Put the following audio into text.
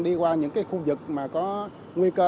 đi qua những khu vực có nguy cơ